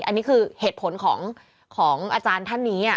อันนี้คือเหตุผลของอาจารย์ท่านนี้